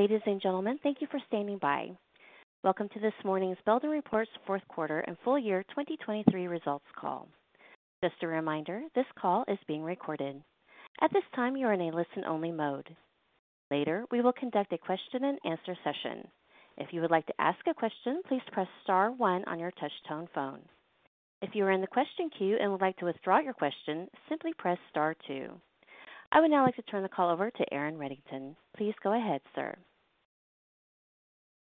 Ladies and gentlemen, thank you for standing by. Welcome to this morning's Belden Reports Fourth Quarter and Full Year 2023 Results Call. Just a reminder, this call is being recorded. At this time, you are in a listen-only mode. Later, we will conduct a question-and-answer session. If you would like to ask a question, please press star one on your touchtone phone. If you are in the question queue and would like to withdraw your question, simply press star two. I would now like to turn the call over to Aaron Reddington. Please go ahead, sir.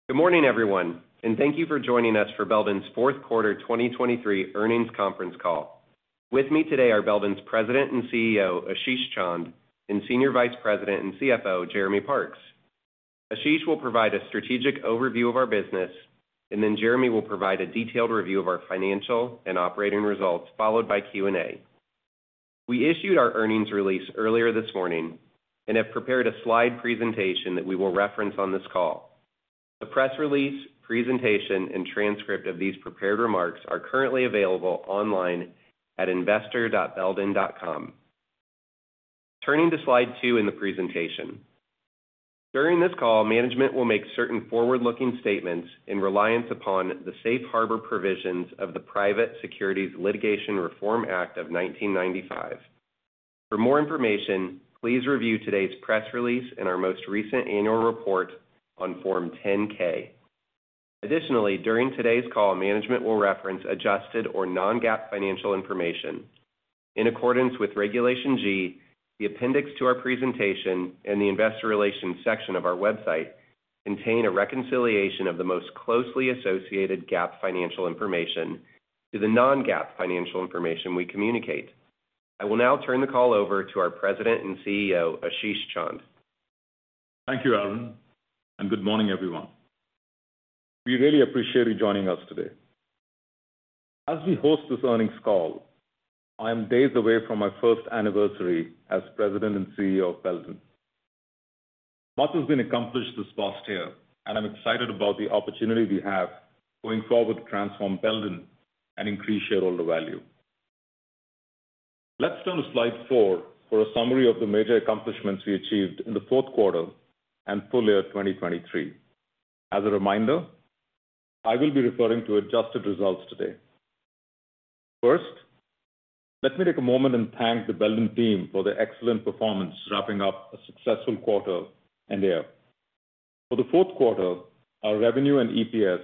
Good morning, everyone, and thank you for joining us for Belden's fourth quarter 2023 Earnings Conference Call. With me today are Belden's President and CEO, Ashish Chand, and Senior Vice President and CFO, Jeremy Parks. Ashish will provide a strategic overview of our business, and then Jeremy will provide a detailed review of our financial and operating results, followed by Q&A. We issued our earnings release earlier this morning and have prepared a slide presentation that we will reference on this call. The press release, presentation, and transcript of these prepared remarks are currently available online at investor.belden.com. Turning to slide 2 in the presentation. During this call, management will make certain forward-looking statements in reliance upon the safe harbor provisions of the Private Securities Litigation Reform Act of 1995. For more information, please review today's press release and our most recent annual report on Form 10-K. Additionally, during today's call, management will reference adjusted or non-GAAP financial information. In accordance with Regulation G, the appendix to our presentation and the investor relations section of our website contain a reconciliation of the most closely associated GAAP financial information to the non-GAAP financial information we communicate. I will now turn the call over to our President and CEO, Ashish Chand. Thank you, Aaron, and good morning, everyone. We really appreciate you joining us today. As we host this earnings call, I am days away from my first anniversary as President and CEO of Belden. Much has been accomplished this past year, and I'm excited about the opportunity we have going forward to transform Belden and increase shareholder value. Let's turn to slide 4 for a summary of the major accomplishments we achieved in the fourth quarter and full year 2023. As a reminder, I will be referring to adjusted results today. First, let me take a moment and thank the Belden team for their excellent performance, wrapping up a successful quarter and year. For the fourth quarter, our revenue and EPS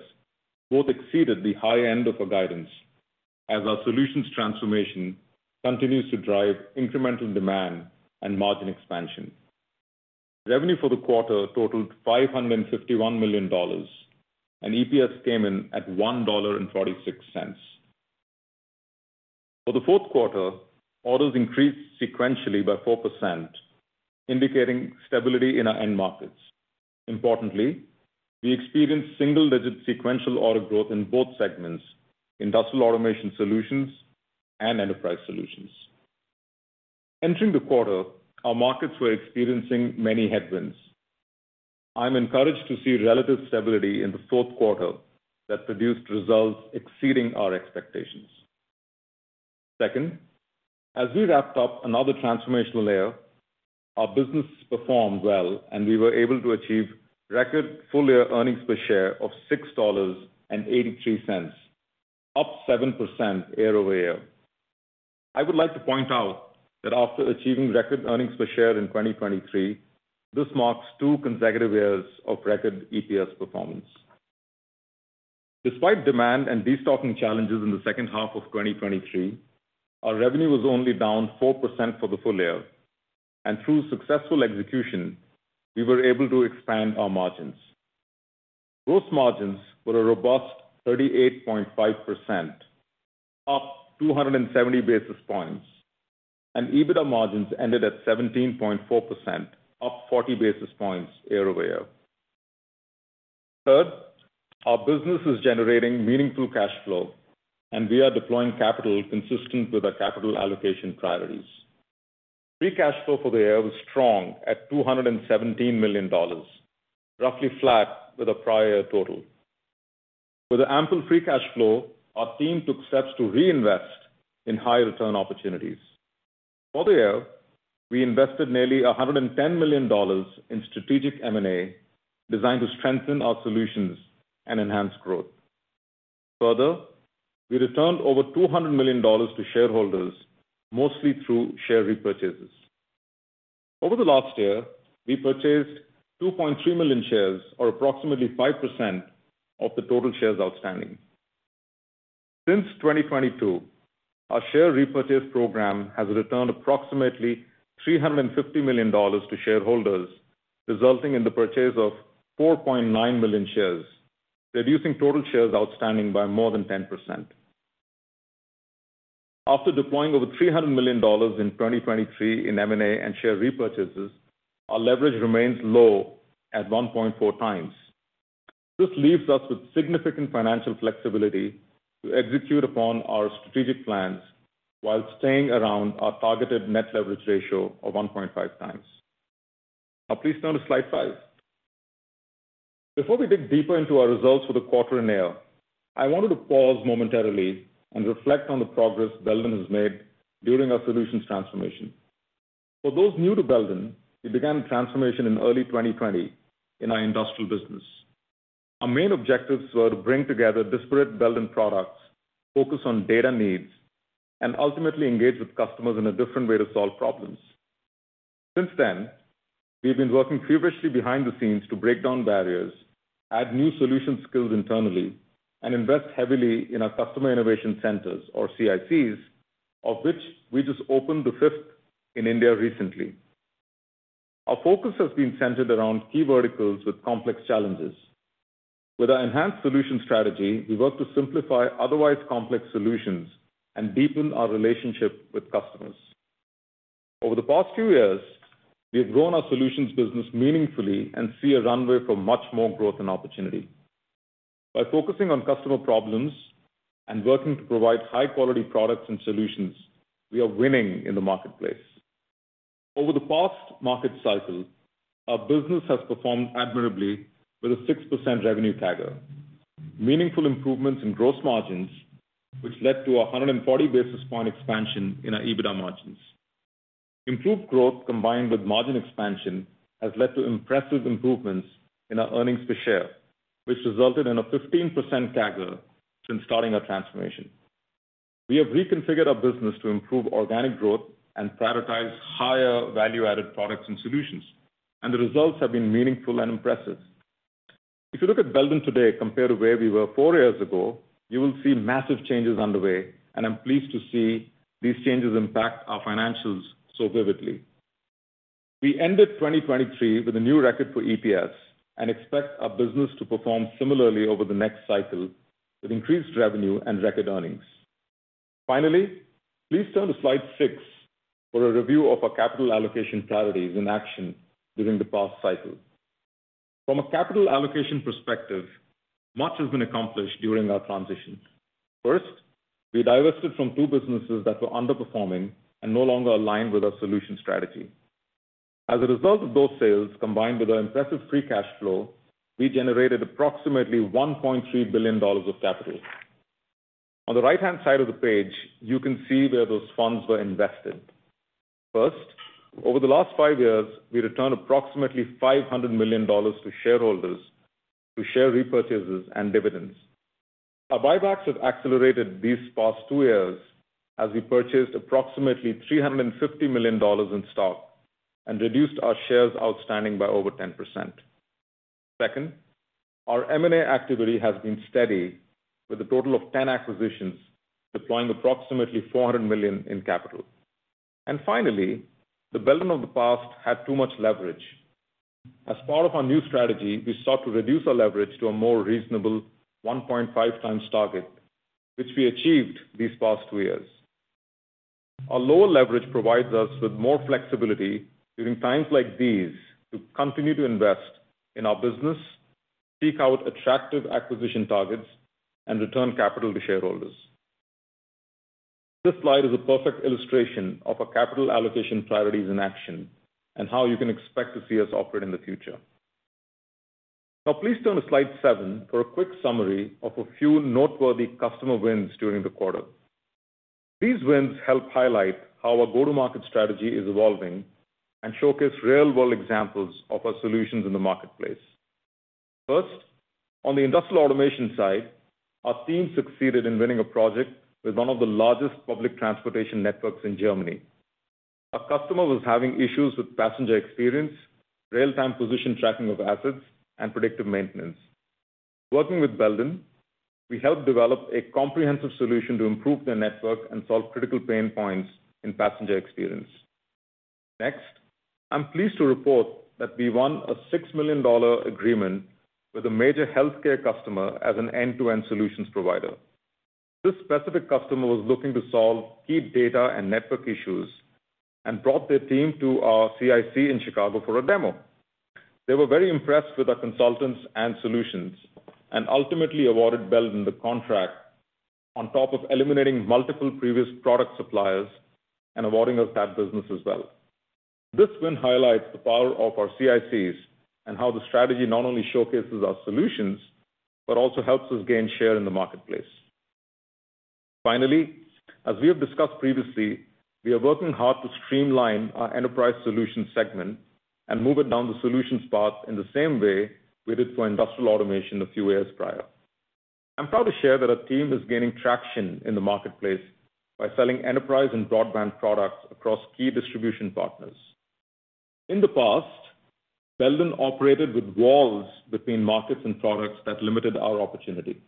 both exceeded the high end of our guidance as our solutions transformation continues to drive incremental demand and margin expansion. Revenue for the quarter totaled $551 million, and EPS came in at $1.46. For the fourth quarter, orders increased sequentially by 4%, indicating stability in our end markets. Importantly, we experienced single-digit sequential order growth in both segments, Industrial Automation Solutions and Enterprise Solutions. Entering the quarter, our markets were experiencing many headwinds. I'm encouraged to see relative stability in the fourth quarter that produced results exceeding our expectations. Second, as we wrapped up another transformational year, our business performed well, and we were able to achieve record full-year earnings per share of $6.83, up 7% year-over-year. I would like to point out that after achieving record earnings per share in 2023, this marks two consecutive years of record EPS performance. Despite demand and destocking challenges in the second half of 2023, our revenue was only down 4% for the full year, and through successful execution, we were able to expand our margins. Gross margins were a robust 38.5%, up 270 basis points, and EBITDA margins ended at 17.4%, up 40 basis points year-over-year. Third, our business is generating meaningful cash flow, and we are deploying capital consistent with our capital allocation priorities. Free cash flow for the year was strong at $217 million, roughly flat with the prior total. With the ample free cash flow, our team took steps to reinvest in high-return opportunities. For the year, we invested nearly $110 million in strategic M&A, designed to strengthen our solutions and enhance growth. Further, we returned over $200 million to shareholders, mostly through share repurchases. Over the last year, we purchased 2.3 million shares, or approximately 5% of the total shares outstanding. Since 2022, our share repurchase program has returned approximately $350 million to shareholders, resulting in the purchase of 4.9 million shares, reducing total shares outstanding by more than 10%. After deploying over $300 million in 2023 in M&A and share repurchases, our leverage remains low at 1.4 times. This leaves us with significant financial flexibility to execute upon our strategic plans while staying around our targeted net leverage ratio of 1.5 times. Now, please turn to slide five.... Before we dig deeper into our results for the quarter and year, I wanted to pause momentarily and reflect on the progress Belden has made during our solutions transformation. For those new to Belden, we began transformation in early 2020 in our industrial business. Our main objectives were to bring together disparate Belden products, focus on data needs, and ultimately engage with customers in a different way to solve problems. Since then, we've been working feverishly behind the scenes to break down barriers, add new solution skills internally, and invest heavily in our customer innovation centers, or CICs, of which we just opened the fifth in India recently. Our focus has been centered around key verticals with complex challenges. With our enhanced solution strategy, we work to simplify otherwise complex solutions and deepen our relationship with customers. Over the past few years, we have grown our solutions business meaningfully and see a runway for much more growth and opportunity. By focusing on customer problems and working to provide high-quality products and solutions, we are winning in the marketplace. Over the past market cycle, our business has performed admirably with a 6% revenue CAGR, meaningful improvements in gross margins, which led to a 140 basis point expansion in our EBITDA margins. Improved growth, combined with margin expansion, has led to impressive improvements in our earnings per share, which resulted in a 15% CAGR since starting our transformation. We have reconfigured our business to improve organic growth and prioritize higher value-added products and solutions, and the results have been meaningful and impressive. If you look at Belden today compared to where we were 4 years ago, you will see massive changes underway, and I'm pleased to see these changes impact our financials so vividly. We ended 2023 with a new record for EPS and expect our business to perform similarly over the next cycle, with increased revenue and record earnings. Finally, please turn to slide 6 for a review of our capital allocation priorities in action during the past cycle. From a capital allocation perspective, much has been accomplished during our transition. First, we divested from 2 businesses that were underperforming and no longer aligned with our solution strategy. As a result of those sales, combined with our impressive free cash flow, we generated approximately $1.3 billion of capital. On the right-hand side of the page, you can see where those funds were invested. First, over the last 5 years, we returned approximately $500 million to shareholders through share repurchases and dividends. Our buybacks have accelerated these past 2 years as we purchased approximately $350 million in stock and reduced our shares outstanding by over 10%. Second, our M&A activity has been steady, with a total of 10 acquisitions, deploying approximately $400 million in capital. And finally, the Belden of the past had too much leverage. As part of our new strategy, we sought to reduce our leverage to a more reasonable 1.5x target, which we achieved these past 2 years. Our lower leverage provides us with more flexibility during times like these, to continue to invest in our business, seek out attractive acquisition targets, and return capital to shareholders. This slide is a perfect illustration of our capital allocation priorities in action and how you can expect to see us operate in the future. Now, please turn to slide seven for a quick summary of a few noteworthy customer wins during the quarter. These wins help highlight how our go-to-market strategy is evolving and showcase real-world examples of our solutions in the marketplace. First, on the industrial automation side, our team succeeded in winning a project with one of the largest public transportation networks in Germany. Our customer was having issues with passenger experience, real-time position tracking of assets, and predictive maintenance. Working with Belden, we helped develop a comprehensive solution to improve their network and solve critical pain points in passenger experience. Next, I'm pleased to report that we won a $6 million agreement with a major healthcare customer as an end-to-end solutions provider. This specific customer was looking to solve key data and network issues and brought their team to our CIC in Chicago for a demo. They were very impressed with our consultants and solutions and ultimately awarded Belden the contract, on top of eliminating multiple previous product suppliers and awarding us that business as well. This win highlights the power of our CICs and how the strategy not only showcases our solutions, but also helps us gain share in the marketplace. Finally, as we have discussed previously, we are working hard to streamline our enterprise solutions segment and move it down the solutions path in the same way we did for industrial automation a few years prior. I'm proud to share that our team is gaining traction in the marketplace by selling enterprise and broadband products across key distribution partners. In the past, Belden operated with walls between markets and products that limited our opportunity.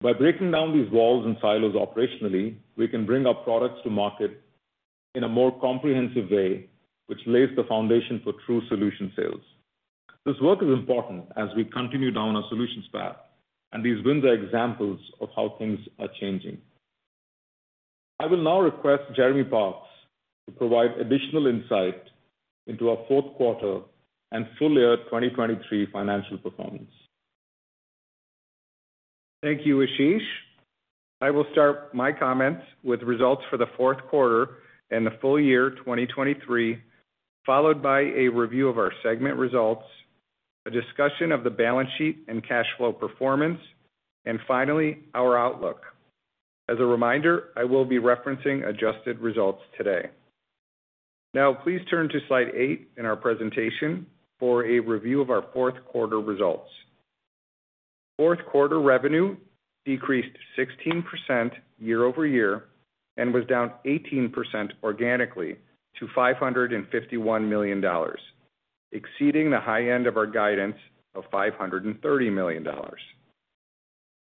By breaking down these walls and silos operationally, we can bring our products to market in a more comprehensive way, which lays the foundation for true solution sales. This work is important as we continue down our solutions path, and these wins are examples of how things are changing. I will now request Jeremy Parks to provide additional insight into our fourth quarter and full year 2023 financial performance. Thank you, Ashish. I will start my comments with results for the fourth quarter and the full year 2023, followed by a review of our segment results, a discussion of the balance sheet and cash flow performance, and finally, our outlook. As a reminder, I will be referencing adjusted results today. Now, please turn to Slide 8 in our presentation for a review of our fourth quarter results. Fourth quarter revenue decreased 16% year over year and was down 18% organically to $551 million, exceeding the high end of our guidance of $530 million.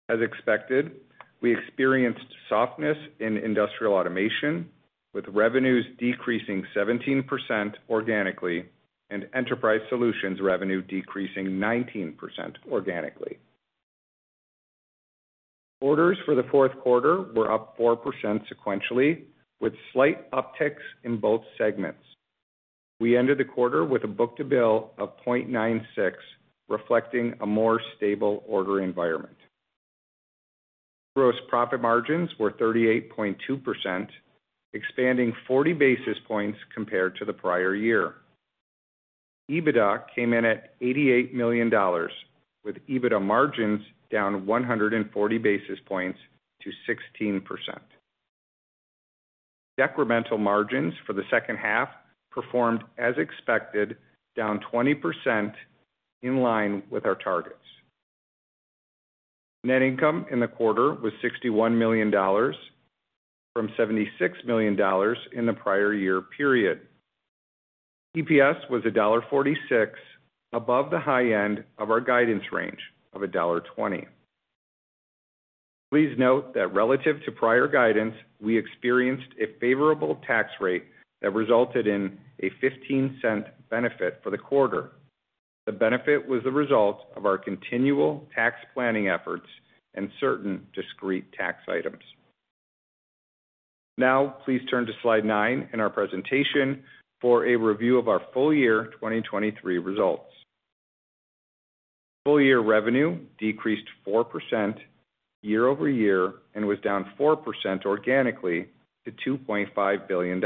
As expected, we experienced softness in industrial automation, with revenues decreasing 17% organically and enterprise solutions revenue decreasing 19% organically. Orders for the fourth quarter were up 4% sequentially, with slight upticks in both segments. We ended the quarter with a book-to-bill of 0.96, reflecting a more stable order environment. Gross profit margins were 38.2%, expanding 40 basis points compared to the prior year. EBITDA came in at $88 million, with EBITDA margins down 140 basis points to 16%. Decremental margins for the second half performed as expected, down 20%, in line with our targets. Net income in the quarter was $61 million, from $76 million in the prior year period. EPS was $1.46, above the high end of our guidance range of $1.20. Please note that relative to prior guidance, we experienced a favorable tax rate that resulted in a $0.15 benefit for the quarter. The benefit was the result of our continual tax planning efforts and certain discrete tax items. Now, please turn to Slide 9 in our presentation for a review of our full year 2023 results. Full year revenue decreased 4% year over year and was down 4% organically to $2.5 billion.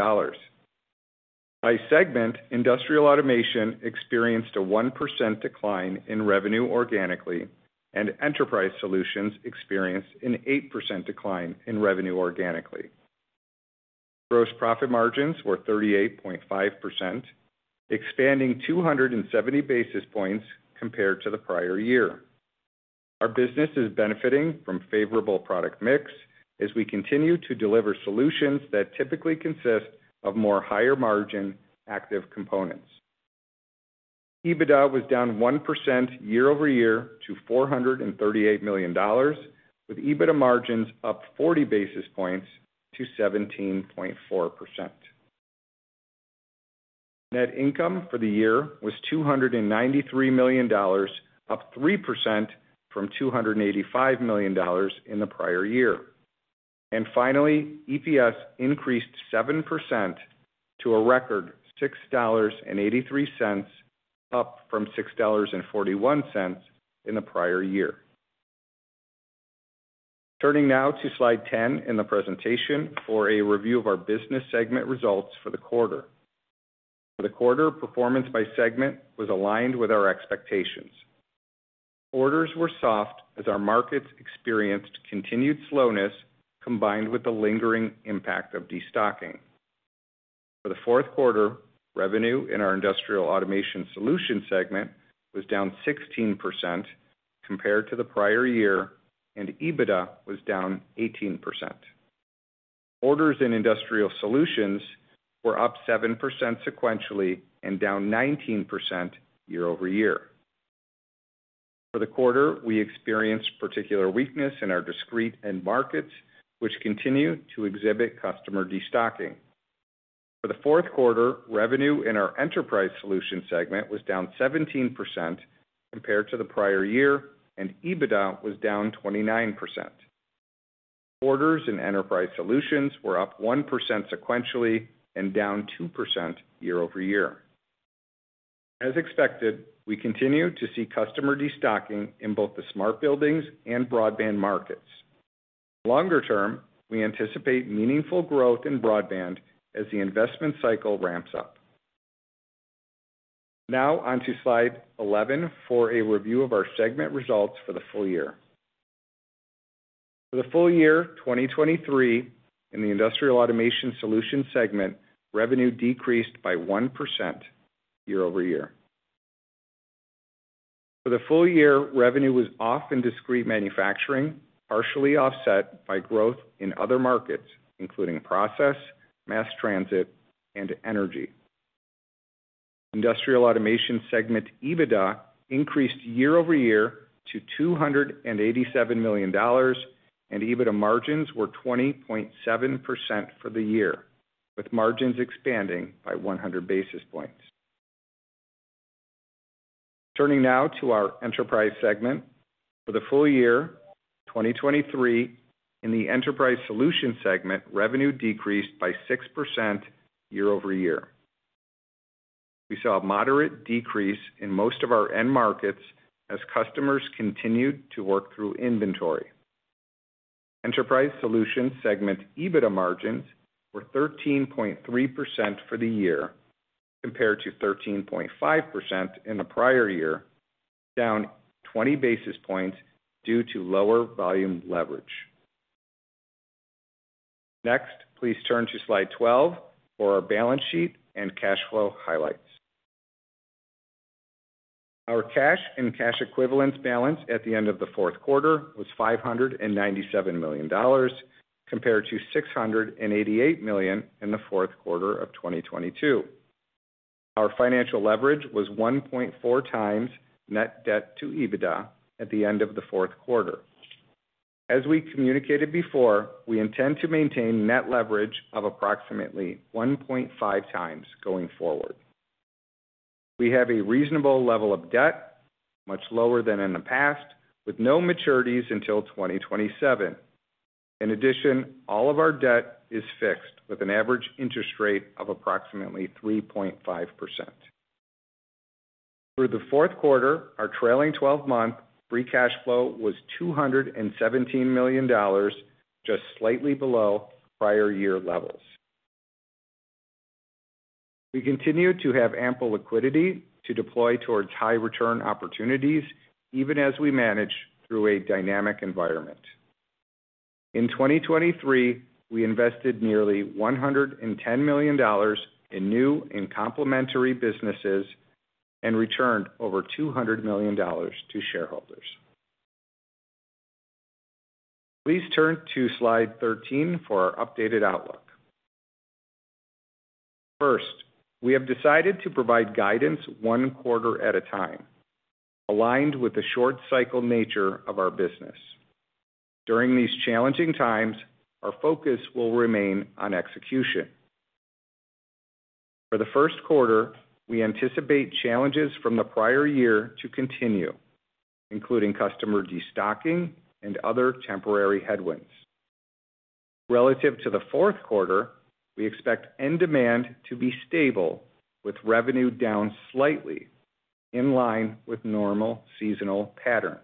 By segment, industrial automation experienced a 1% decline in revenue organically, and enterprise solutions experienced an 8% decline in revenue organically. Gross profit margins were 38.5%, expanding 270 basis points compared to the prior year. Our business is benefiting from favorable product mix as we continue to deliver solutions that typically consist of more higher-margin active components. EBITDA was down 1% year over year to $438 million, with EBITDA margins up 40 basis points to 17.4%. Net income for the year was $293 million, up 3% from $285 million in the prior year. Finally, EPS increased 7% to a record $6.83, up from $6.41 in the prior year. Turning now to Slide 10 in the presentation for a review of our business segment results for the quarter. For the quarter, performance by segment was aligned with our expectations. Orders were soft as our markets experienced continued slowness, combined with the lingering impact of destocking. For the fourth quarter, revenue in our industrial automation solutions segment was down 16% compared to the prior year, and EBITDA was down 18%. Orders in industrial solutions were up 7% sequentially and down 19% year-over-year. For the quarter, we experienced particular weakness in our discrete end markets, which continue to exhibit customer destocking. For the fourth quarter, revenue in our enterprise solutions segment was down 17% compared to the prior year, and EBITDA was down 29%. Orders in enterprise solutions were up 1% sequentially and down 2% year-over-year. As expected, we continue to see customer destocking in both the smart buildings and broadband markets. Longer term, we anticipate meaningful growth in broadband as the investment cycle ramps up. Now on to Slide 11 for a review of our segment results for the full year. For the full year 2023, in the industrial automation solutions segment, revenue decreased by 1% year-over-year. For the full year, revenue was off in discrete manufacturing, partially offset by growth in other markets, including process, mass transit, and energy. Industrial automation segment EBITDA increased year-over-year to $287 million, and EBITDA margins were 20.7% for the year, with margins expanding by 100 basis points. Turning now to our enterprise segment. For the full year 2023, in the enterprise solutions segment, revenue decreased by 6% year-over-year.... We saw a moderate decrease in most of our end markets as customers continued to work through inventory. Enterprise Solutions segment EBITDA margins were 13.3% for the year, compared to 13.5% in the prior year, down 20 basis points due to lower volume leverage. Next, please turn to slide 12 for our balance sheet and cash flow highlights. Our cash and cash equivalents balance at the end of the fourth quarter was $597 million, compared to $688 million in the fourth quarter of 2022. Our financial leverage was 1.4 times net debt to EBITDA at the end of the fourth quarter. As we communicated before, we intend to maintain net leverage of approximately 1.5 times going forward. We have a reasonable level of debt, much lower than in the past, with no maturities until 2027. In addition, all of our debt is fixed, with an average interest rate of approximately 3.5%. Through the fourth quarter, our trailing twelve-month free cash flow was $217 million, just slightly below prior year levels. We continue to have ample liquidity to deploy towards high return opportunities, even as we manage through a dynamic environment. In 2023, we invested nearly $110 million in new and complementary businesses and returned over $200 million to shareholders. Please turn to slide 13 for our updated outlook. First, we have decided to provide guidance one quarter at a time, aligned with the short cycle nature of our business. During these challenging times, our focus will remain on execution. For the first quarter, we anticipate challenges from the prior year to continue, including customer destocking and other temporary headwinds. Relative to the fourth quarter, we expect end demand to be stable, with revenue down slightly, in line with normal seasonal patterns.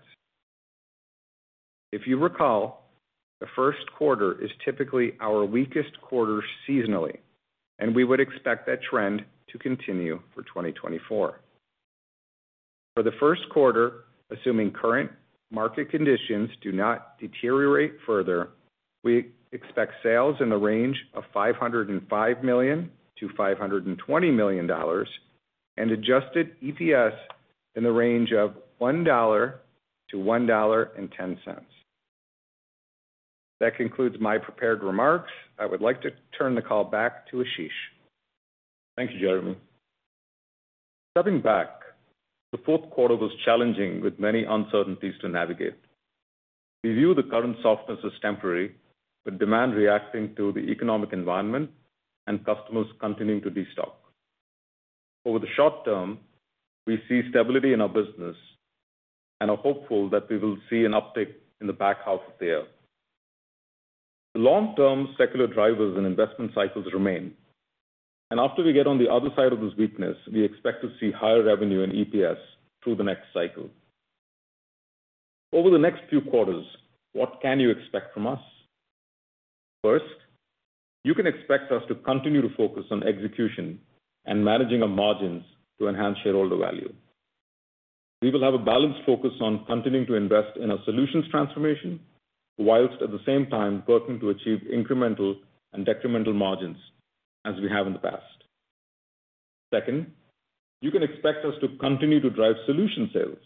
If you recall, the first quarter is typically our weakest quarter seasonally, and we would expect that trend to continue for 2024. For the first quarter, assuming current market conditions do not deteriorate further, we expect sales in the range of $505 million-$520 million, and adjusted EPS in the range of $1-$1.10. That concludes my prepared remarks. I would like to turn the call back to Ashish. Thank you, Jeremy. Stepping back, the fourth quarter was challenging, with many uncertainties to navigate. We view the current softness as temporary, with demand reacting to the economic environment and customers continuing to destock. Over the short term, we see stability in our business and are hopeful that we will see an uptick in the back half of the year. The long-term secular drivers and investment cycles remain, and after we get on the other side of this weakness, we expect to see higher revenue and EPS through the next cycle. Over the next few quarters, what can you expect from us? First, you can expect us to continue to focus on execution and managing our margins to enhance shareholder value. We will have a balanced focus on continuing to invest in our solutions transformation, while at the same time working to achieve incremental and decremental margins as we have in the past. Second, you can expect us to continue to drive solution sales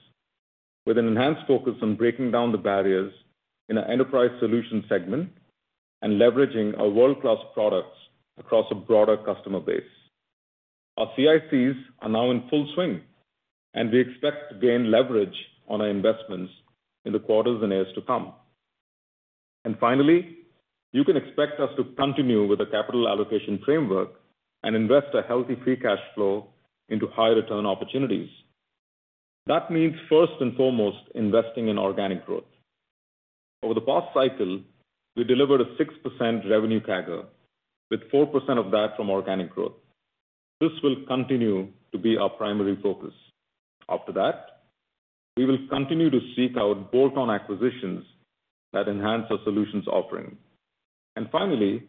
with an enhanced focus on breaking down the barriers in our enterprise solution segment and leveraging our world-class products across a broader customer base. Our CICs are now in full swing, and we expect to gain leverage on our investments in the quarters and years to come. And finally, you can expect us to continue with the capital allocation framework and invest a healthy free cash flow into high return opportunities. That means, first and foremost, investing in organic growth. Over the past cycle, we delivered a 6% revenue CAGR, with 4% of that from organic growth. This will continue to be our primary focus. After that, we will continue to seek out bolt-on acquisitions that enhance our solutions offering. And finally,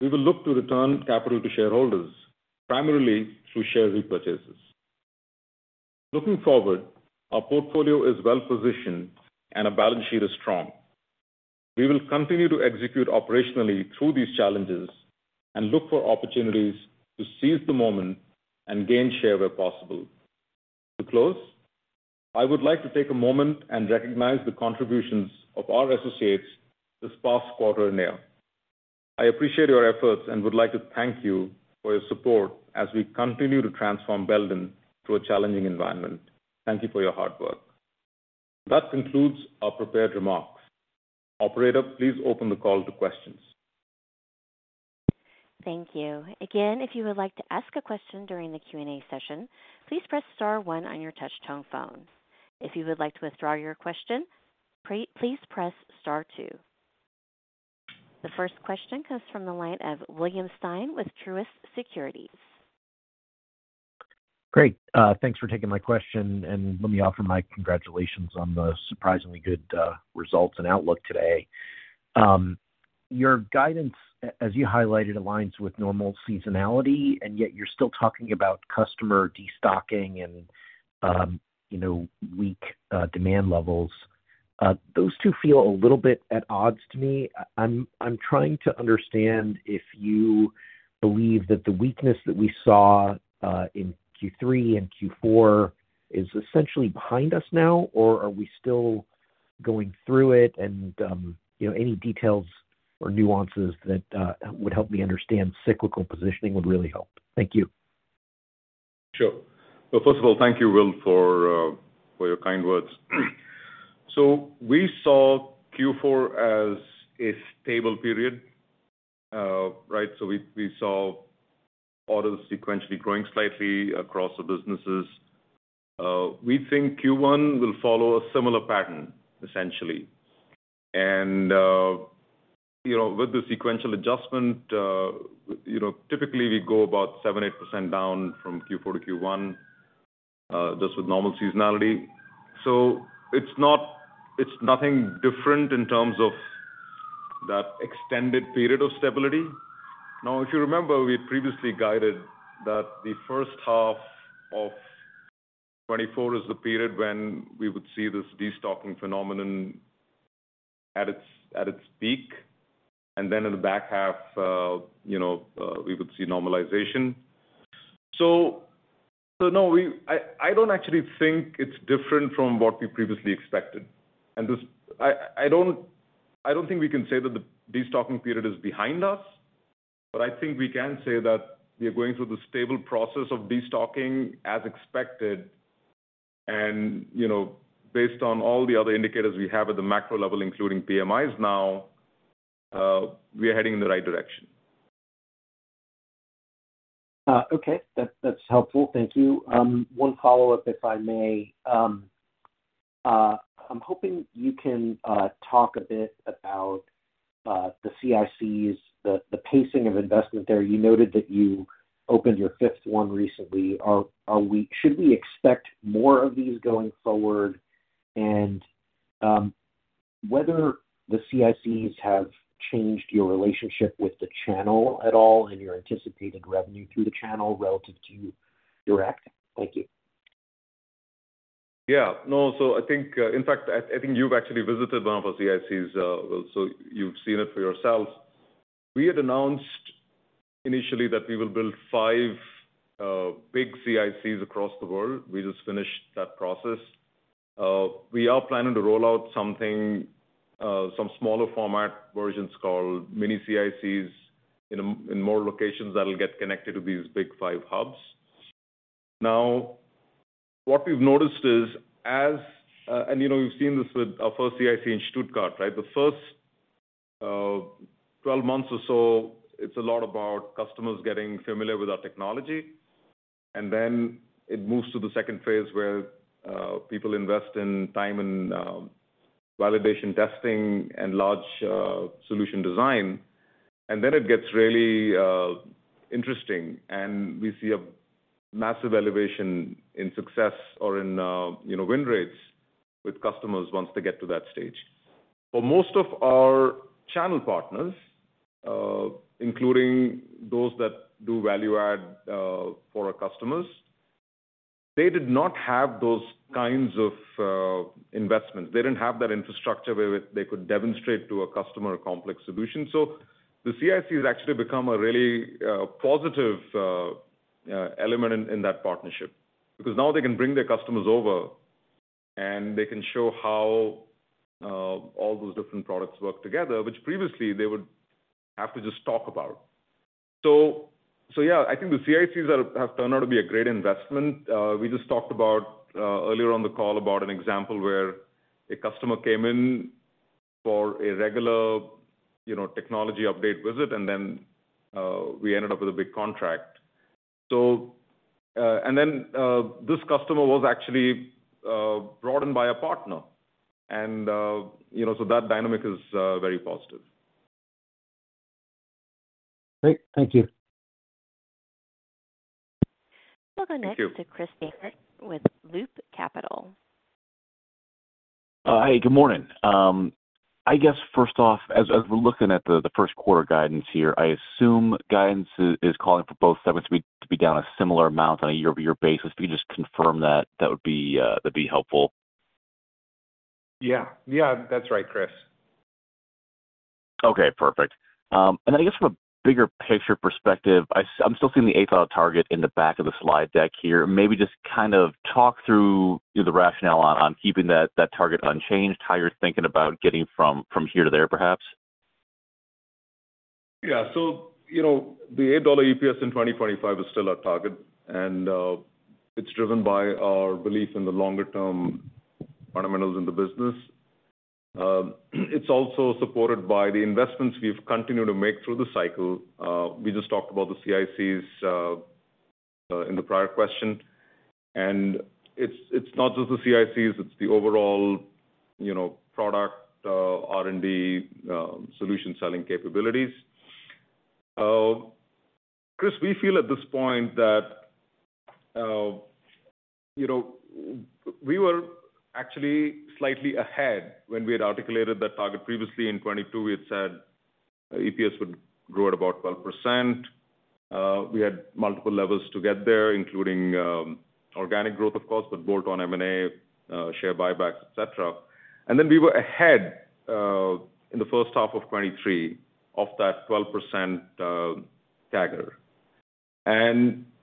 we will look to return capital to shareholders, primarily through share repurchases. Looking forward, our portfolio is well positioned and our balance sheet is strong. We will continue to execute operationally through these challenges and look for opportunities to seize the moment and gain share where possible. To close, I would like to take a moment and recognize the contributions of all our associates this past quarter and year. I appreciate your efforts and would like to thank you for your support as we continue to transform Belden through a challenging environment. Thank you for your hard work. That concludes our prepared remarks. Operator, please open the call to questions. Thank you. Again, if you would like to ask a question during the Q&A session, please press star one on your touchtone phone. If you would like to withdraw your question, please press star two. The first question comes from the line of William Stein with Truist Securities. Great. Thanks for taking my question, and let me offer my congratulations on the surprisingly good results and outlook today. Your guidance, as you highlighted, aligns with normal seasonality, and yet you're still talking about customer destocking and, you know, weak demand levels. Those two feel a little bit at odds to me. I'm trying to understand if you believe that the weakness that we saw in Q3 and Q4 is essentially behind us now, or are we still going through it? And, you know, any details or nuances that would help me understand cyclical positioning would really help. Thank you. Sure. Well, first of all, thank you, Will, for your kind words. So we saw Q4 as a stable period, right? So we saw orders sequentially growing slightly across the businesses. We think Q1 will follow a similar pattern, essentially. And, you know, with the sequential adjustment, you know, typically, we go about 7-8% down from Q4 to Q1, just with normal seasonality. So it's not. It's nothing different in terms of that extended period of stability. Now, if you remember, we previously guided that the first half of 2024 is the period when we would see this destocking phenomenon at its peak, and then in the back half, you know, we would see normalization. So no, I don't actually think it's different from what we previously expected. And this I don't think we can say that the destocking period is behind us, but I think we can say that we are going through the stable process of destocking as expected. And, you know, based on all the other indicators we have at the macro level, including PMIs now, we are heading in the right direction. Okay. That's helpful. Thank you. One follow-up, if I may. I'm hoping you can talk a bit about the CICs, the pacing of investment there. You noted that you opened your fifth one recently. Should we expect more of these going forward? And whether the CICs have changed your relationship with the channel at all, and your anticipated revenue through the channel relative to direct? Thank you. Yeah. No, so I think, in fact, I think you've actually visited one of our CICs, so you've seen it for yourself. We had announced initially that we will build five big CICs across the world. We just finished that process. We are planning to roll out something, some smaller format versions called mini CICs in more locations that'll get connected to these big five hubs. Now, what we've noticed is, you know, we've seen this with our first CIC in Stuttgart, right? The first 12 months or so, it's a lot about customers getting familiar with our technology. And then it moves to the second phase, where people invest in time and validation testing and large solution design. And then it gets really interesting, and we see a massive elevation in success or in, you know, win rates with customers once they get to that stage. For most of our channel partners, including those that do value add, for our customers, they did not have those kinds of investments. They didn't have that infrastructure where they could demonstrate to a customer a complex solution. So the CIC has actually become a really positive element in that partnership, because now they can bring their customers over and they can show how all those different products work together, which previously they would have to just talk about. So yeah, I think the CICs are have turned out to be a great investment. We just talked about earlier on the call about an example where a customer came in for a regular, you know, technology update visit, and then we ended up with a big contract. And then this customer was actually brought in by a partner. You know, so that dynamic is very positive. Great. Thank you. We'll go next- Thank you. to Chris Dankert with Loop Capital. Hi, good morning. I guess first off, as we're looking at the first quarter guidance here, I assume guidance is calling for both segments to be down a similar amount on a year-over-year basis. If you could just confirm that, that would be helpful. Yeah. Yeah, that's right, Chris. Okay, perfect. And I guess from a bigger picture perspective, I'm still seeing the $8 target in the back of the slide deck here. Maybe just kind of talk through the rationale on, on keeping that, that target unchanged, how you're thinking about getting from, from here to there, perhaps. Yeah. So, you know, the $8 EPS in 2025 is still our target, and, it's driven by our belief in the longer-term fundamentals in the business. It's also supported by the investments we've continued to make through the cycle. We just talked about the CICs in the prior question, and it's not just the CICs, it's the overall, you know, product, R&D, solution selling capabilities. Chris, we feel at this point that, you know, we were actually slightly ahead when we had articulated that target previously in 2022. We had said EPS would grow at about 12%. We had multiple levels to get there, including, organic growth, of course, but bolt-on M&A, share buybacks, et cetera. And then we were ahead in the first half of 2023 of that 12% CAGR.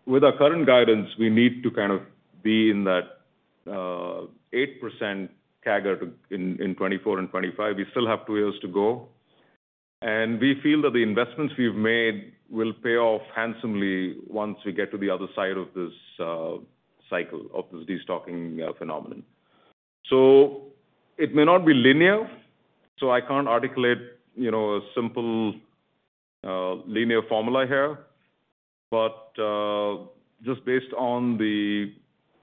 With our current guidance, we need to kind of be in that 8% CAGR in 2024 and 2025. We still have two years to go, and we feel that the investments we've made will pay off handsomely once we get to the other side of this cycle of this destocking phenomenon. So it may not be linear, so I can't articulate, you know, a simple linear formula here. But just based on the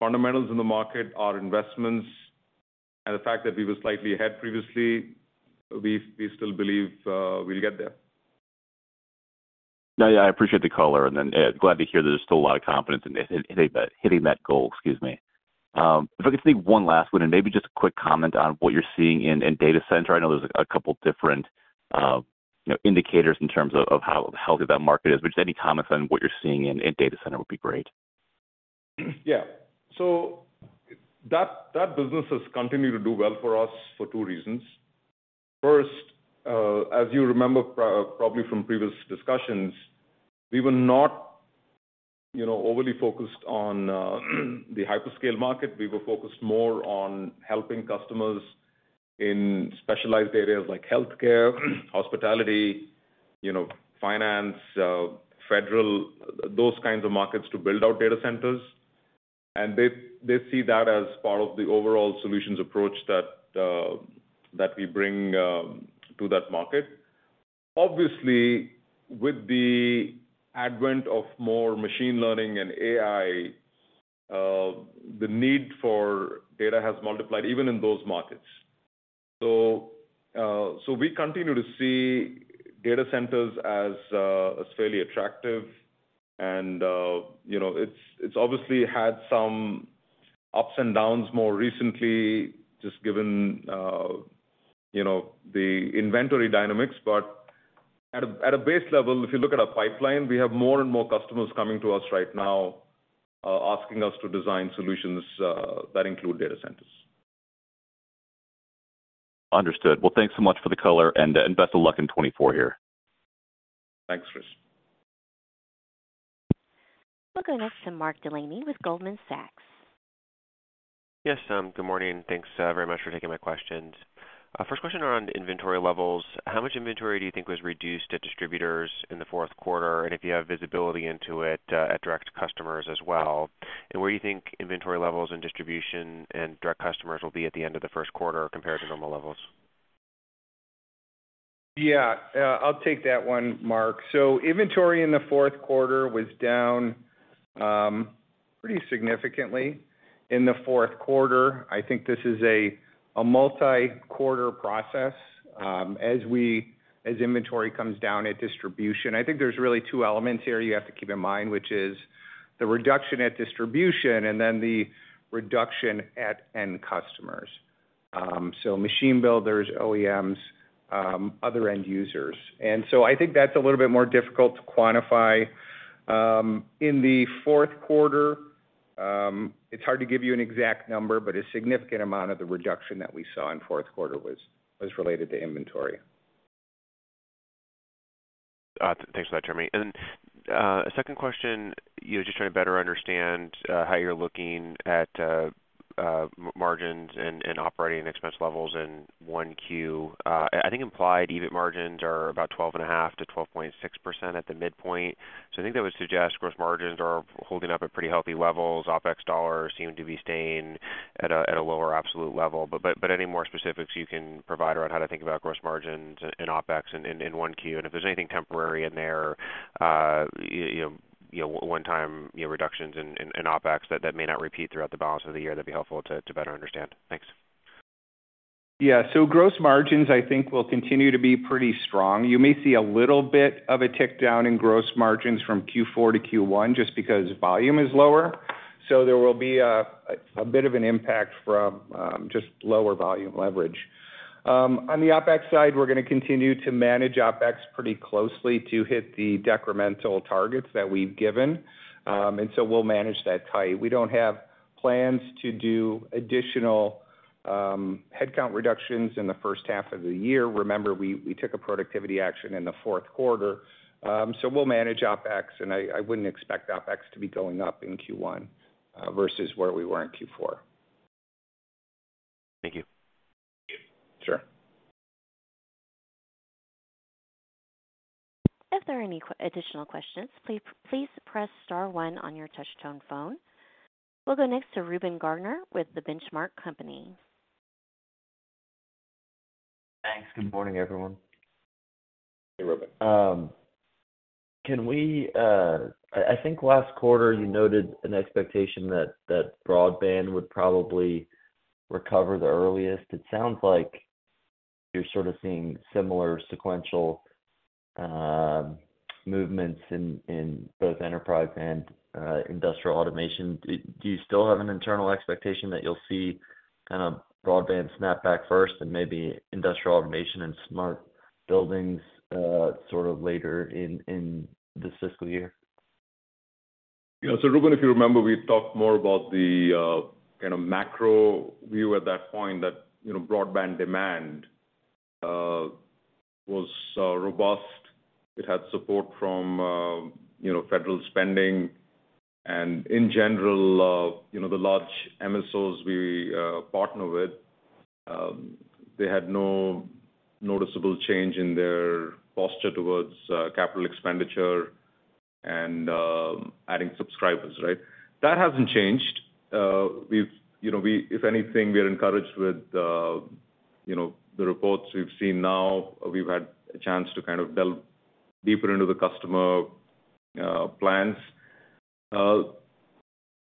fundamentals in the market, our investments, and the fact that we were slightly ahead previously, we still believe we'll get there. Yeah, yeah, I appreciate the color, and then glad to hear there's still a lot of confidence in hitting that, hitting that goal. Excuse me. If I could just leave one last one, and maybe just a quick comment on what you're seeing in data center. I know there's a couple different, you know, indicators in terms of how healthy that market is, but just any comments on what you're seeing in data center would be great. Yeah. So that business has continued to do well for us for two reasons. First, as you remember probably from previous discussions, we were not, you know, overly focused on the hyperscale market. We were focused more on helping customers in specialized areas like healthcare, hospitality, you know, finance, federal, those kinds of markets to build out data centers. And they see that as part of the overall solutions approach that we bring to that market. Obviously, with the advent of more machine learning and AI, the need for data has multiplied even in those markets. So we continue to see data centers as fairly attractive. And you know, it's obviously had some ups and downs more recently, just given you know, the inventory dynamics. At a base level, if you look at our pipeline, we have more and more customers coming to us right now, asking us to design solutions that include data centers. Understood. Well, thanks so much for the color, and best of luck in 2024 here. Thanks, Chris. We'll go next to Mark Delaney with Goldman Sachs. Yes, good morning. Thanks, very much for taking my questions. First question around inventory levels: How much inventory do you think was reduced at distributors in the fourth quarter? And if you have visibility into it, at direct customers as well. And where do you think inventory levels and distribution and direct customers will be at the end of the first quarter compared to normal levels? Yeah, I'll take that one, Mark. So inventory in the fourth quarter was down pretty significantly in the fourth quarter. I think this is a multi-quarter process. As inventory comes down at distribution, I think there's really two elements here you have to keep in mind, which is the reduction at distribution and then the reduction at end customers. So machine builders, OEMs, other end users. And so I think that's a little bit more difficult to quantify. In the fourth quarter, it's hard to give you an exact number, but a significant amount of the reduction that we saw in fourth quarter was related to inventory. Thanks for that, Jeremy. A second question, you know, just trying to better understand how you're looking at margins and operating expense levels in 1Q. I think implied EBIT margins are about 12.5%-12.6% at the midpoint. So I think that would suggest gross margins are holding up at pretty healthy levels. OpEx dollars seem to be staying at a lower absolute level, but any more specifics you can provide around how to think about gross margins and OpEx in 1Q, and if there's anything temporary in there, you know, one time reductions in OpEx that may not repeat throughout the balance of the year, that'd be helpful to better understand. Thanks. Yeah. So gross margins, I think, will continue to be pretty strong. You may see a little bit of a tick down in gross margins from Q4 to Q1, just because volume is lower. So there will be a bit of an impact from just lower volume leverage. On the OpEx side, we're gonna continue to manage OpEx pretty closely to hit the decremental targets that we've given. And so we'll manage that tight. We don't have plans to do additional headcount reductions in the first half of the year. Remember, we took a productivity action in the fourth quarter. So we'll manage OpEx, and I wouldn't expect OpEx to be going up in Q1 versus where we were in Q4. Thank you. Sure. If there are any additional questions, please press star one on your touchtone phone. We'll go next to Reuben Garner with the Benchmark Company. Good morning, everyone. Hey, Ruben. I think last quarter you noted an expectation that broadband would probably recover the earliest. It sounds like you're sort of seeing similar sequential movements in both enterprise and industrial automation. Do you still have an internal expectation that you'll see kind of broadband snapback first and maybe industrial automation and smart buildings sort of later in this fiscal year? Yeah. So Ruben, if you remember, we talked more about the kind of macro view at that point, that you know, broadband demand was robust. It had support from you know, federal spending and in general you know, the large MSOs we partner with, they had no noticeable change in their posture towards capital expenditure and adding subscribers, right? That hasn't changed. We've you know, if anything, we are encouraged with you know, the reports we've seen now. We've had a chance to kind of delve deeper into the customer plans.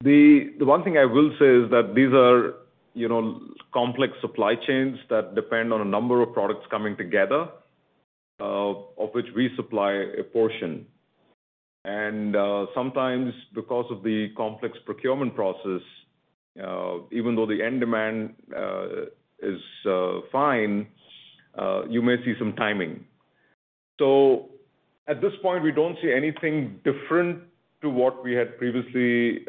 The one thing I will say is that these are you know, complex supply chains that depend on a number of products coming together of which we supply a portion. And sometimes because of the complex procurement process, even though the end demand is fine, you may see some timing. So at this point, we don't see anything different to what we had previously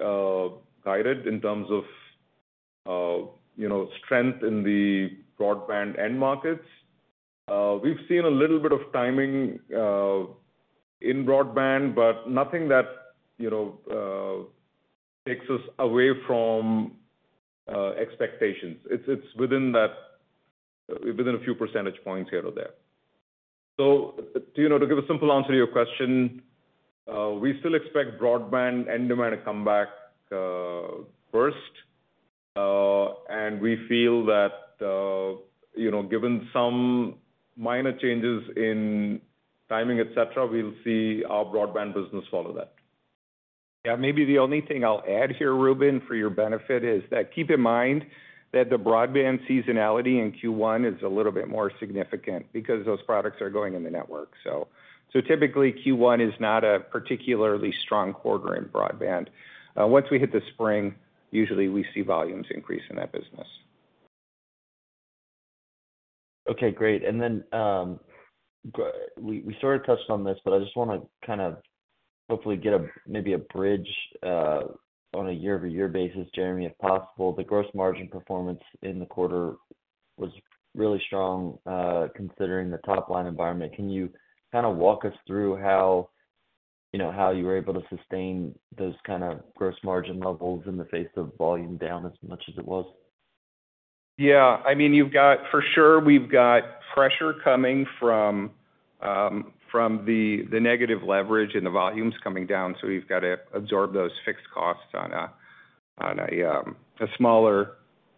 guided in terms of, you know, strength in the broadband end markets. We've seen a little bit of timing in broadband, but nothing that, you know, takes us away from expectations. It's within that, within a few percentage points here or there. So, you know, to give a simple answer to your question, we still expect broadband end demand to come back first. And we feel that, you know, given some minor changes in timing, et cetera, we'll see our broadband business follow that. Yeah, maybe the only thing I'll add here, Ruben, for your benefit, is that keep in mind that the broadband seasonality in Q1 is a little bit more significant because those products are going in the network. So typically, Q1 is not a particularly strong quarter in broadband. Once we hit the spring, usually we see volumes increase in that business. Okay, great. And then, we sort of touched on this, but I just wanna kind of hopefully get a, maybe a bridge, on a year-over-year basis, Jeremy, if possible. The gross margin performance in the quarter was really strong, considering the top-line environment. Can you kind of walk us through how, you know, how you were able to sustain those kind of gross margin levels in the face of volume down as much as it was? Yeah. I mean, you've got, for sure, we've got pressure coming from the negative leverage and the volumes coming down. So we've got to absorb those fixed costs on a smaller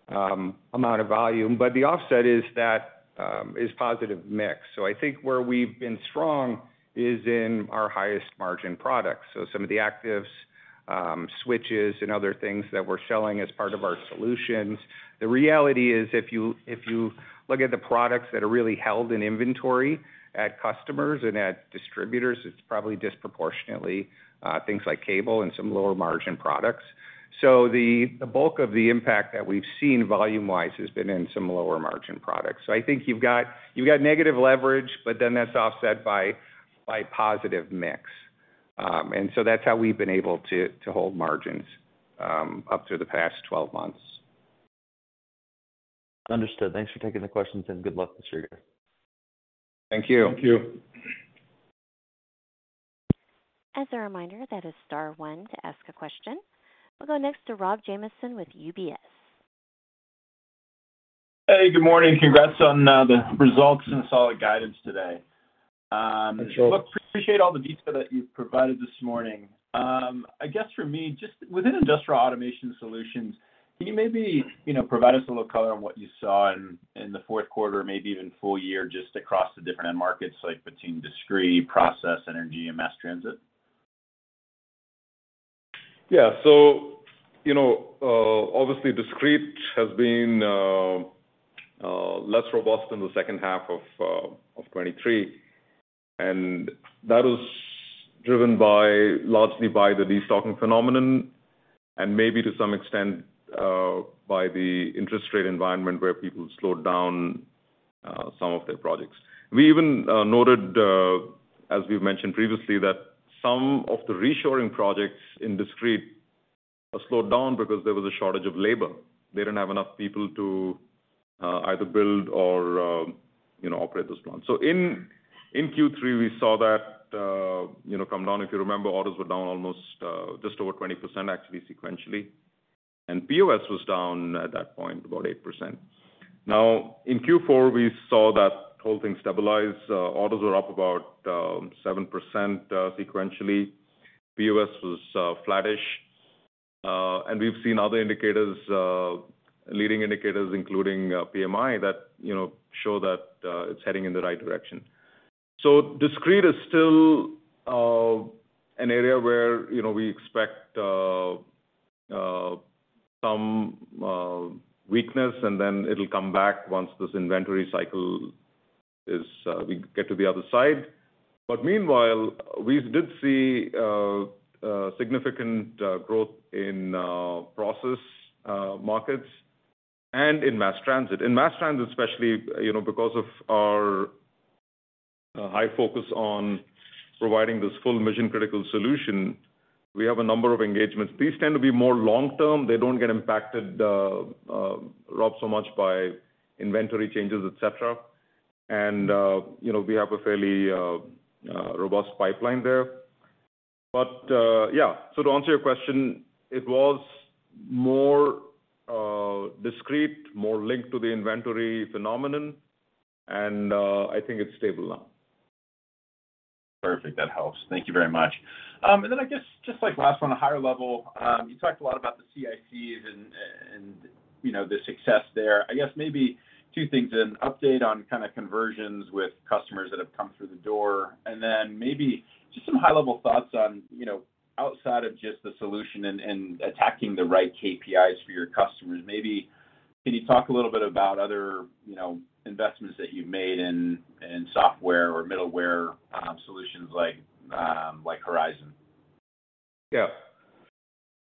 amount of volume. But the offset is that is positive mix. So I think where we've been strong is in our highest margin products, so some of the actives, switches and other things that we're selling as part of our solutions. The reality is, if you look at the products that are really held in inventory at customers and at distributors, it's probably disproportionately things like cable and some lower margin products. So the bulk of the impact that we've seen volume-wise has been in some lower margin products. I think you've got negative leverage, but then that's offset by positive mix. And so that's how we've been able to hold margins up through the past 12 months. Understood. Thanks for taking the questions, and good luck this year. Thank you. Thank you. As a reminder, that is star one to ask a question. We'll go next to Rob Jamieson with UBS. Hey, good morning. Congrats on the results and solid guidance today. Sure. Look, appreciate all the detail that you've provided this morning. I guess for me, just within Industrial Automation Solutions, can you maybe, you know, provide us a little color on what you saw in the fourth quarter, maybe even full year, just across the different end markets, like between discrete, process, energy, and mass transit? Yeah. So, you know, obviously, discrete has been less robust in the second half of 2023, and that was driven by, largely by the destocking phenomenon and maybe to some extent by the interest rate environment, where people slowed down some of their projects. We even noted as we've mentioned previously, that some of the reshoring projects in discrete slowed down because there was a shortage of labor. They didn't have enough people to either build or you know, operate those plants. So in Q3, we saw that you know, come down. If you remember, orders were down almost just over 20%, actually, sequentially, and POS was down at that point, about 8%. Now, in Q4, we saw that whole thing stabilize. Orders were up about 7% sequentially. POS was flattish. And we've seen other indicators, leading indicators, including PMI, that, you know, show that it's heading in the right direction. So discrete is still an area where, you know, we expect some weakness, and then it'll come back once this inventory cycle is, we get to the other side. But meanwhile, we did see significant growth in process markets and in mass transit. In mass transit, especially, you know, because of our high focus on providing this full mission-critical solution, we have a number of engagements. These tend to be more long term. They don't get impacted, Rob, so much by inventory changes, et cetera. And you know, we have a fairly robust pipeline there. But, yeah, so to answer your question, it was more discrete, more linked to the inventory phenomenon, and I think it's stable now. Perfect. That helps. Thank you very much. And then I guess, just, like, last one, a higher level. You talked a lot about the CICs and, and, you know, the success there. I guess maybe two things, an update on kind of conversions with customers that have come through the door, and then maybe just some high-level thoughts on, you know, outside of just the solution and, and attacking the right KPIs for your customers. Maybe can you talk a little bit about other, you know, investments that you've made in, in software or middleware, solutions like, like Horizon? Yeah.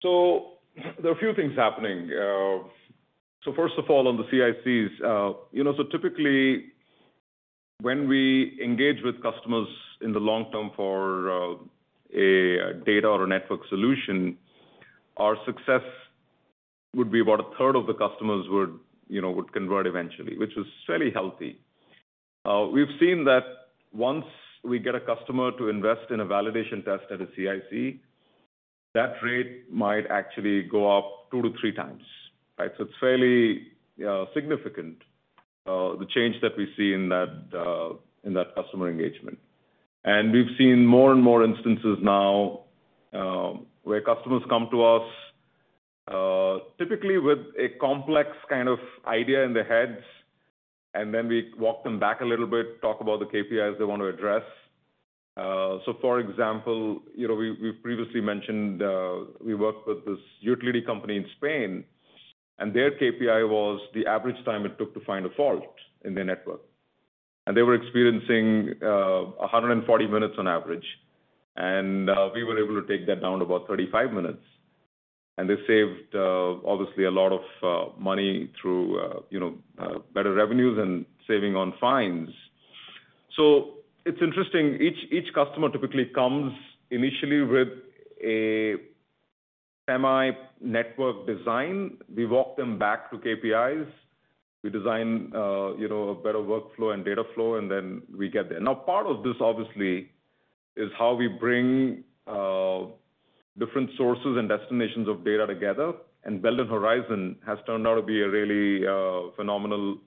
There are a few things happening. So first of all, on the CICs, you know, so typically when we engage with customers in the long term for a data or a network solution, our success would be about a third of the customers would, you know, would convert eventually, which is fairly healthy. We've seen that once we get a customer to invest in a validation test at a CIC, that rate might actually go up 2-3 times, right? So it's fairly significant, the change that we see in that customer engagement. We've seen more and more instances now, where customers come to us, typically with a complex kind of idea in their heads, and then we walk them back a little bit, talk about the KPIs they want to address. So for example, you know, we've previously mentioned we worked with this utility company in Spain, and their KPI was the average time it took to find a fault in their network. And they were experiencing 140 minutes on average, and we were able to take that down to about 35 minutes, and they saved, obviously a lot of money through, you know, better revenues and saving on fines. So it's interesting. Each customer typically comes initially with a semi network design. We walk them back to KPIs. We design, you know, a better workflow and data flow, and then we get there. Now, part of this, obviously, is how we bring different sources and destinations of data together, and Belden Horizon has turned out to be a really phenomenal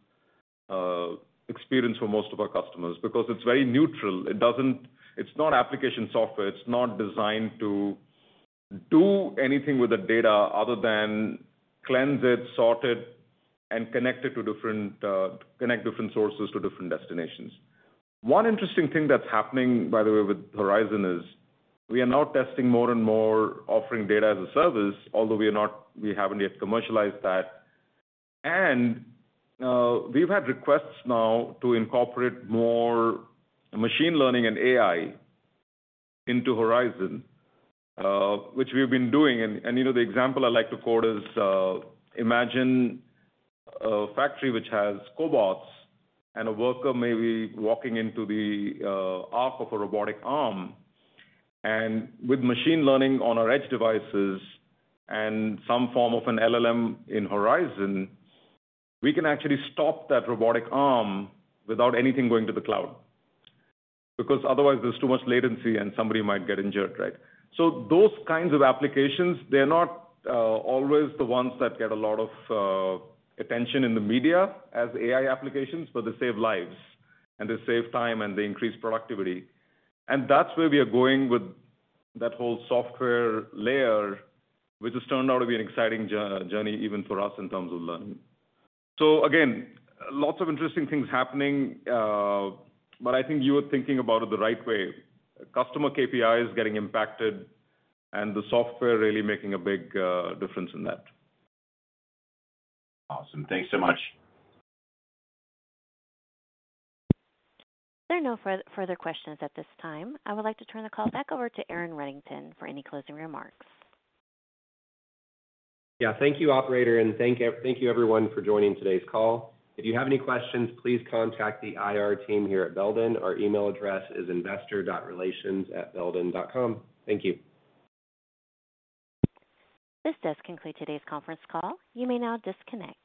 experience for most of our customers because it's very neutral. It doesn't. It's not application software. It's not designed to do anything with the data other than cleanse it, sort it, and connect different sources to different destinations. One interesting thing that's happening, by the way, with Horizon is we are now testing more and more offering data as a service, although we haven't yet commercialized that. And we've had requests now to incorporate more machine learning and AI into Horizon, which we've been doing. And, you know, the example I like to quote is, imagine a factory which has cobots and a worker maybe walking into the arc of a robotic arm. And with machine learning on our edge devices and some form of an LLM in Horizon, we can actually stop that robotic arm without anything going to the cloud, because otherwise there's too much latency and somebody might get injured, right? So those kinds of applications, they're not always the ones that get a lot of attention in the media as AI applications, but they save lives, and they save time, and they increase productivity. And that's where we are going with that whole software layer, which has turned out to be an exciting journey even for us in terms of learning. So again, lots of interesting things happening, but I think you are thinking about it the right way. Customer KPI is getting impacted and the software really making a big difference in that. Awesome. Thanks so much. There are no further questions at this time. I would like to turn the call back over to Aaron Reddington for any closing remarks. Yeah, thank you, operator, and thank you, everyone, for joining today's call. If you have any questions, please contact the IR team here at Belden. Our email address is investor.relations@belden.com. Thank you. This does conclude today's conference call. You may now disconnect.